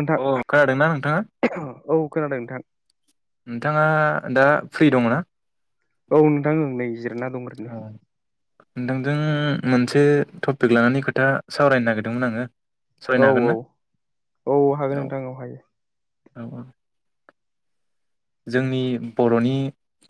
नोंथां अ खोनादोंना नोंथाङा? औ खोनादों नोंथां। नोंथाङा दा फ्रि दं ना? औ नोंथां ओं नै जे ना दं ओरैनो। औ नोंथांजों मोनसे टपिक लानानै खोथा सावरायनो नागिरदोंमोन आङो औ सावरायनो हागोन औ ना औ हागोन नोंथां, औ हायो। औ औ। जोंनि बर'नि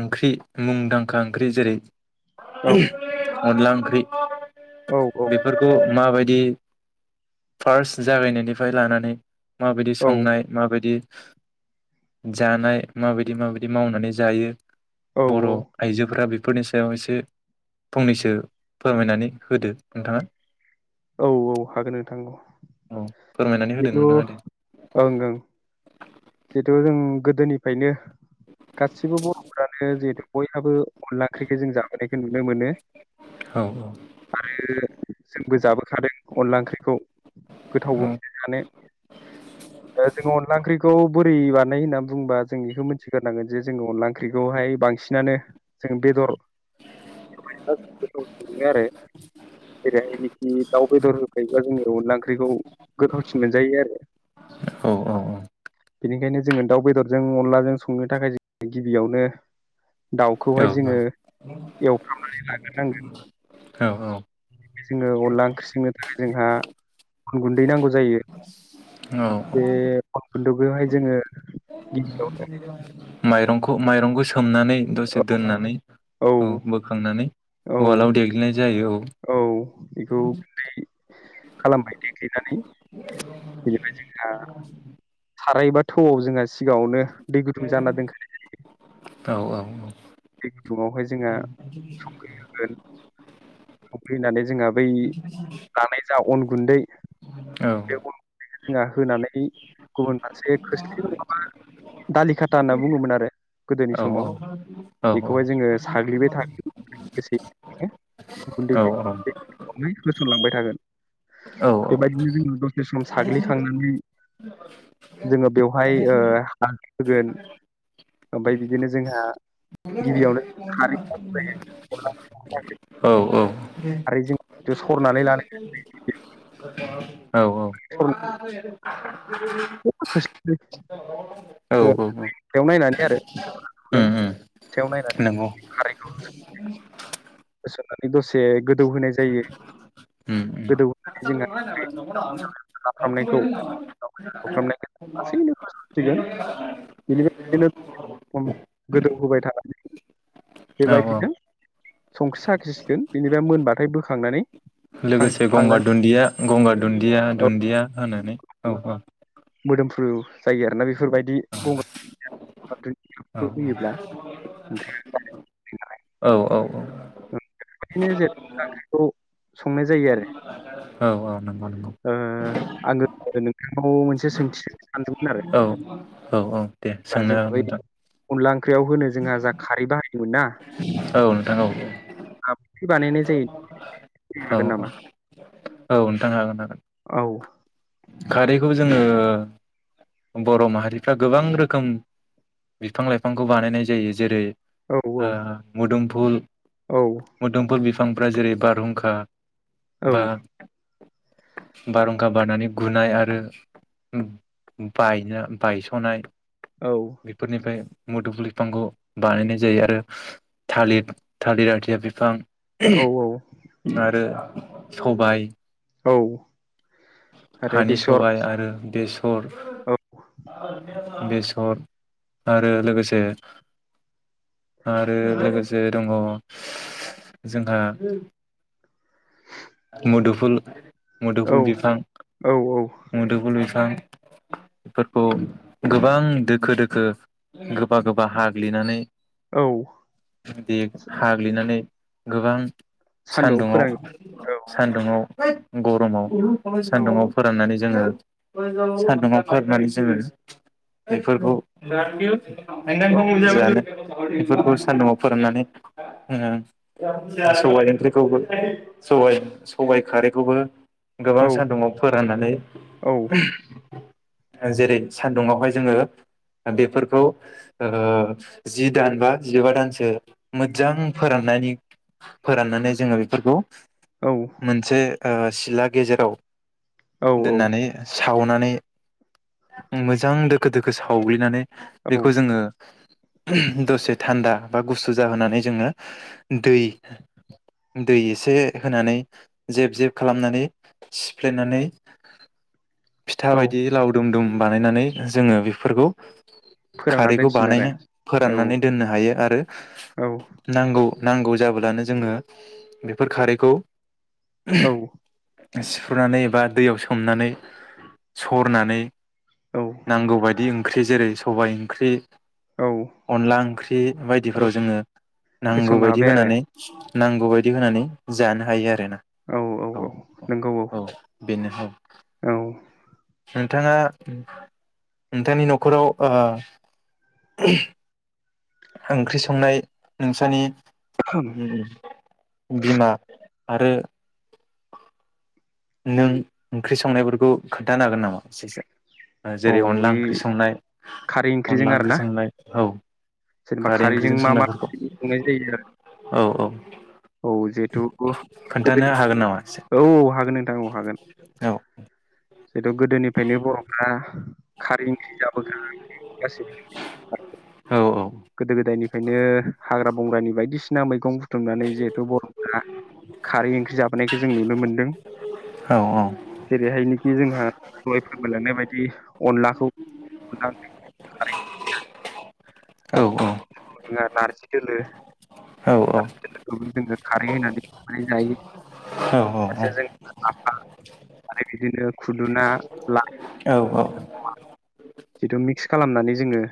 ओंख्रि मुंदांखा ओंख्रि जेरै औ [unintelligible] अनला ओंख्रि औ औ बेफोरखौ माबायदि फार्स्ट जागायनायनिफ्राय लानानै माबायदि औ संनाय माबायदि जानाय माबायदि माबायदि मावनानै जायो। औ बर' औ आइजोफोरा बे फोरनि सायाव एसे फंनैसो फोरमायनानै होदो नोंथाङा। औ औ हागोन नोंथां औ औ फोरमायनानै होदो बेथ' नोंथाङा दे ओं ओं। जिथु जों गोदोनिफ्रायनो गासिबो बर'फोरानो जिहेतु बयहाबो अनला ओंख्रिखौ जों जाबोनायखौ नुनो मोनो औ औ आरो जोंबो जाबोखादों अनला ओंख्रिखौ गोथावबो औ मोनोयानो ओ जोंङो अनला ओंख्रि खौ बोरै बानाय होननानै बुंबा जों बेखौ मोन्थिग्रोनांगोन जे जोङो अनला ओंख्रिखौहाय बांसिनानो जों बेदर [unintelligible] मोनो आरो जेरैहाय दाउ बेदर होखायोब्ला जोङो अनला ओंख्रिखौ गोथावसिन मोनजायो आरो। औ औ औ बेनिखायनो जोङो दाउ बेदरजों अनलाजों संनो थाखाय गिबियावनो दाउखौहाय जोङो एवफ्रामनानै लाग्रोनांगोन औ जोङो अनला ओंख्रि संनो थाखाय जोंहा अन गुन्दै नांगौ जायो औ औ बे गुन्दोगहाय जोङो गिबियाव माइरंखौ माइरं सो मनानै दसे दोननानै औ बोखांनानै औ उवालाव देग्लिनाय जायो। औ बेखौ खालामबाय देग्लिनानै बेनिफ्राय जोंहा साराय बा थौआव जोंहा सिगाङावनो दै गुदुं जाना दोनखानाय जायो। औ औ औ बे गुदुुवावहाय जोङो संख्रि होगोन संख्रि होनानै जोहा बै लानाय जा अन गुन्दै बे अन गुन्दैखौ जोंहा होनानै गुबुन फारसे खोस्लि नङाबा दालि खाथा होनना बुङोमोन आरो गोदोनि समाव बेखौहाय जोङो साग्लिबाय थागोन लोगोसेयैनो अन गुन्दै [unintelligible] नै होसनलांबाय थागोन औ औ बेबायदिनो जोङो दसे सम साग्लिखांनानै जोङो बेवहाय ओ हालदि होगोन ओमफ्राय बिदिनो जोंहा गिबियावनो खारै [unintelligible] आरो जोंहा सरनानै लानाय [unintelligible] [unintelligible] [unintelligible] औ औ नायनानै आरो नायनानै नंगौ खारैखौ होस होसननानै दसे गोदौ होनाय जायो औ औ गोदौ होनानै जोंहा [unintelligible] लाफ्रामनायखौ एयावफ्रामनाय लासैनो [unintelligible] बेनिफ्राय [unintelligible] गोदौ होबाय थानानै बेबायदिनो संख्रि साखि सिगोन बेनिफ्राय मोनबाथाय बोखांनानै लोगोसे गंगार खांनानै दुन्दिया गंगार दुन्दिया औ दुन्दिया होनानै औ औ मोदोमफ्रु जायो आरोना बेफोरबायदि गंगार औ दुन्दियाखौ होयोब्ला ओंख्रि नालाय औ [unintelligible] बेफोरबायदिनो जेरै ओंख्रिखौ संनाय जायो आरो। औ औ नंगौ नंगौ ओ आंङो नोंथांनाव मोनसे सोंथि सोंनो सानदोंमोन आरो। औ औ औ दे बा जों सोंनोहागोन बै नोंथां अनला ओंख्रियाव होनो जोंहा जा खारै बाहायोमोन ना औ नोंथां औ आ बोरै बानायनाय जायोनो औ हागोन नामा [unintelligible] औ नोंथां हागोन हागोन औ खारैखौ जोंङो बर' माहारिफ्रा गोबां रोखोम बिफां लाइफांखौ बानायनाय जायो। जेरै औ ओ मुदुम फुल औ मोदोमपुल बि फ्रा जेरै बारहुंखा औ बा बारहुंखा बारनानै गुनाय आरो बायना बायस'नाय औ बेफोरनिफ्राय मोदुफुल बिफांखौ बानायनाय जायो आरो थालिर थालिर आथिया बिफां औ आरो सबाय औ आरो हानि बेसर सबाय आरो बेसर औ बेसर आरो लोगोसे आरो लोगोसे दंङ जोंहा मुदुफुल औ मुदुफुल बिफां औ मुदुफुल बिफां औ गोबां दोखो दोखो गोबा गोबा हाग्लिनानै औ दे हाग्लिनानै गोबां सान्दुआव फोरान सान्दुंङाव औ सान्दुंङाव गरमाव औ सान्दुुंआव फोराननानै जोंङो सान्दुंआव फोराननानै जोंङो बेफोरखौ [unintelligible] बेफोरखौ सान्दुंआव फोराननानै जोंङो सबाइ ओंख्रिखौबो सबाइ सबाइ खारैखौबो गोबां औ सानदुंआव फोराननानै औ जेरै सानदुआवहाय जोंङो बेफोरखौ जि दान बा जिबा दानसो मोजां फोराननायनि फोराननानै जोंङो बेफोरखौ औ मोनसे ओ सिला गेजेराव औ दोननानै सि सावनानै मोजां दोखो दोखो सावग्लिनानै औ बेखौ जोङो दसे थान्दा बा गुसु जाहोनानै जोङो दै दै एसे होनानै जेब जेब खालामनानै सिफ्लेनानै फिथा औ बायदि लाव दुम दुम बानायनानै जोङो बेफोरखौ फोरानना खारैखौ दोनसिन आरो बानायनो औ फोराननानै दोननो हायो आरो औ नांगौ नांगौ जाब्लानो जोङो बेफोर खारैखौ औ सिफ्रुनानै एबा दैयाव सोमनानै सरनानै औ नांगौ बायदिं ओंख्रि जेरै सबायओंख्रि अनला ओंख्रि औ बायदिफोराव जोङो नांगौ होसननो बायदि हाबाय आरो होनानै नांगौ बादि होनानै जानो हायो आरो। औ औ औ नंगौ औ बेनो औ औ। नोंथाङा नोंथांनि न'खराव ओ। ओंख्रि संनाय नोंसानि। बिमा। आरो। नों ओंख्रि संनायफोरखौ खोन्थानो हागोन नामा एसेसो। औ जेरै अनला बे ओंख्रि संनाय खारै ओंख्रिजों अनला आरो ओंख्रि ना संनाय औ जेनेबा खारै खारैजों ओंख्रिजों मा मा संनाय जायो संनायफोरखौ औ औ। [inaudible] औ जहेथु खोन्थानो हागोन नामा एसे गोदोनिफ्रायनो औ औ हागोन नोंथां औ। हागोन। औ [unintelligible] गोदोनिफ्रायनो बर'फ्रा। खारैनि ओंख्रि जाबोखा [unintelligible] औ गोदो गोदायनिफ्रायनो हाग्रा। गंग्रानि बायदिसिना मैगं। बुथुमनानै जिहेथु बर'फ्रा खारै ओंख्रि जाबोनायखौ जों नुनो मोनदों औ जेरैहायनि जोंहा गय फानलायलांनाय बायदि अनलाखौ [inaudible] औ आरो [unintelligible] नारजि दोलो औ औ। बे जोङो खारै होनानै थांनानै जायो औ फारसेजों औ लाफा आरो बिदिनो खुदुना लाइ औ औ जिथु मिक्स खालामनानै जोङो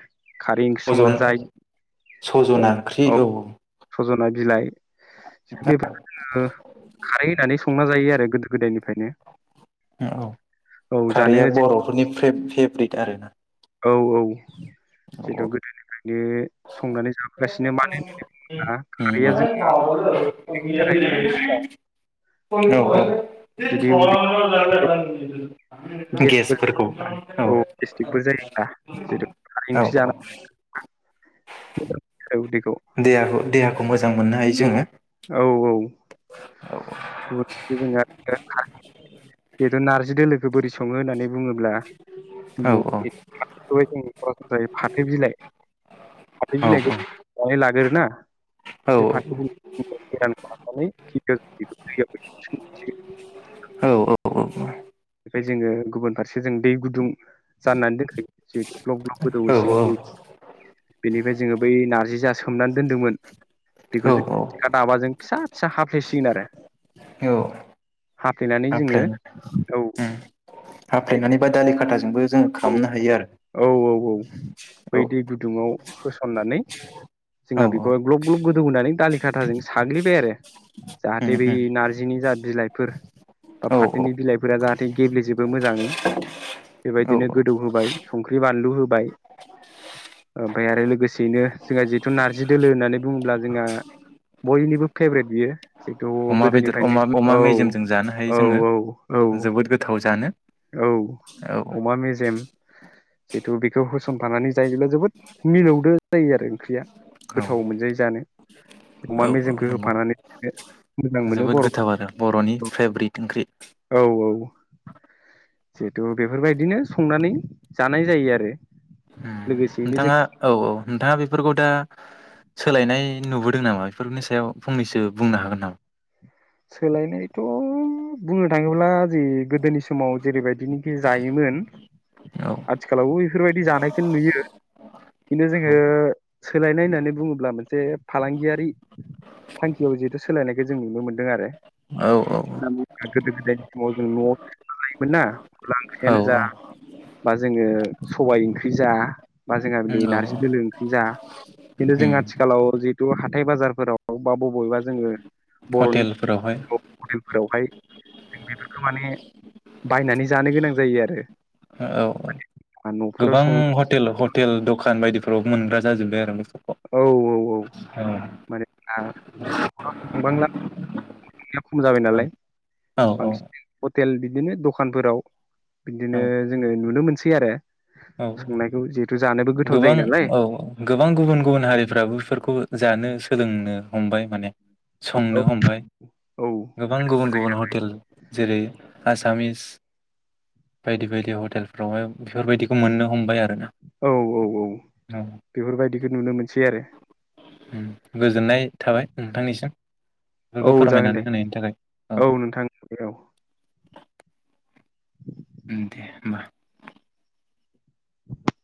खारै ओंख्रि संना सजन जायो सजना ओंख्रि औ। सजना बिलाइ बेफोरखौ जोङो खारै होनानै संना जायो आरो गोदो गोदायनिफ्रायनो औ औ औ जानो खारैया बर'फोरनि। फेत फेभ्रिट आरो ना। औ औ जिथु गोदोनि। होनोब्ला खारैया जोंनि [inaudible] थाखाय मोजां [inaudible] जुदि उदैयाव गेसफोर गेसफोरखौ औ गेस्टिकफोर जायोब्ला जिथु खारै औ ओंख्रि औ औ। जानानै [unintelligible] देहाखौ देहाखौ मोजां। मोजां मोननो हायो जोङो। औ औ गुबों [inaudible] बेथ' नारजि दोलोखौ बोरै सङो होननानै बुङोब्ला औ जोङोनस्र फाथो बिलाइ फाथो औ बिलाइखौनानै लाग्रोना औ बे फाथ बिलाइ ाब [inaudible] अ बेफ्राय जोङो गुबुन फारसे जों दै गुदुं जाननानै दोनखायो जि ब्लक ब्लक गोदौहैसिगोन औ बेनिफ्राय जोङो बै नार्जि जा सोमनानै दोनदोंमोन औ बेखौ जोंखा दाबाजों फिसा फिसा हाबफ्लेसिगोन आरो औ हाफ्लेनानै हाफले जोङो औ ओम हफ्लेनानै बा दालि खा बाजोंबो औ औ औ औ बै दै गुदुङाव होसननानै औ जोंहा औ बेखौहाय ग्लब ग्लब गोदौ होनोनानै दालि खाथाजों साग्लिबाय आरो उम जाहाथे उम बै नारजिनि जा बिलाइ फोर बा औ फाथोनि बिलाइफोरा जाहाथे ये गेब्लेजोबो मोजाङै औ बेबायदिनो गोदौ होबाय संख्रि बानलु होबाय ओमफ्राय आरो लोगोसेयैनो जोंहा जिेथु नारजि दोलो होननानै बुङोब्ला जोंहा बयनिबो फेभ्रेट बियो जिथु अमा बेदर गोदोनिफ्रायनो अमा अमा औ मेजेमजों जानो हायो औ जोङो औ जोबोद गोथाव जानो औ जेम जिथु बेखौ होसनफानानै जायोब्ला जोबोद मिलौदो जायो आरो ओंख्रिया औ गोथाव मोनजायो जानो अमा औ औ मेजेमखौ नंगौ होफानानै मोजां मोनो जोबोद बर' गोथाव आरो बर'नि फेबरिट ओंख्रि। औ जिहेथु बेफोरबायदिनो संनानै जानाय जायो आरो। उम लोगोसेयैनो जों नोंथाङा औ औ नोंथाङा बेफोरखौ दा सोलायनाय नुबोदों नामा बेफोरनि सायाव फंनैसो बुंनो हागोन नामा? सोलायनायथ' बुंनो थाङोब्ला जि गोदोनि समाव जेरैबायदिनोखि जायोमोन औ आथिखालावबो बेफोरबायदि जानायखौ नुयो। खिन्थु जोङो सोलायनाय होननानै बुङोब्ला मोनसे फालांगियारि थांखियाव जिहेथु सोलायनायखौ जों नुनो मोनदों आरो। औ औ [unintelligible] गोदो गोदायनि समाव जों न'आव [unintelligible] ना अनला औ ओंख्रियानो जा बा जोङो सबाय ओंख्रि जा, बा जोंहा बे औ नारजि दोलो ओंख्रि जा, खिन्थु जों उम आथिखालाव जिहेथु हाथाय बाजारफोराव बा बबेबा जोङो हटेलफोरावहाय फोरावहाय जों बेफोरखौ माने बायनानै जानो गोनां जायो आरो। औ [inaudible] न'फोराव गोबां सं हटेल ह टेल दखान बायदिफोराव मोनग्रा जाजोब्बाय आरो बेफोरखौ औ औ औ ओं [inaudible] [unintelligible] खम जाबाय नालाय औ औ बांसि [unintelligible] हटेल बिदिनो दखानफोराव बिदिनो औ जोङो नुनो मोनसै आरो औ संनायखौ जिहेथु जानोबो गो औ गोबां गुबुन गुबुन हारिफ्राबो बेफोरखौ जानो सोलोंनो हमबाय माने। संनो औ हमबाय औ गोबां गुबुन गुबुन हटेल जेरै आसामिस बायदि बायदि हटेलफ्रावहाय बेफोरबायदिखौ मोननो हमबाय आरो। औ औ औ। [unintelligible] बिदिखौ नुनो मोनसै आरो। [unintelligible] गोजोननाय थाबाय नोंथांनिसिम औ बेफोरखौ जागोन दे फोरमायनानै होनायनि थाखाय औ। नोंथां औ ओम दे होमबा। [inaudible]